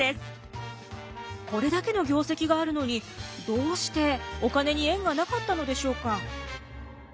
これだけの業績があるのにどうしてお金に縁がなかったのでしょうか？